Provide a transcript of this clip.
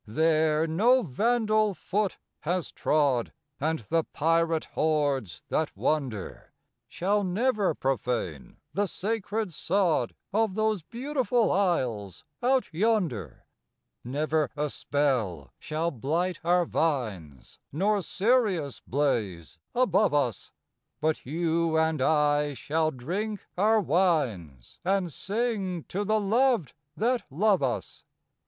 There no vandal foot has trod, And the pirate hordes that wander Shall never profane the sacred sod Of those beautiful isles out yonder. Never a spell shall blight our vines, Nor Sirius blaze above us, But you and I shall drink our wines And sing to the loved that love us.